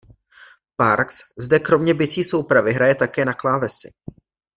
Parks zde kromě bicí soupravy hraje také na klávesy.